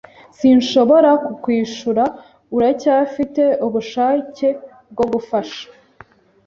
Sinshobora kukwishura. Uracyafite ubushake bwo gufasha?